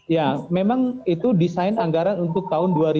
ya memang itu desain anggaran untuk tahun dua ribu dua puluh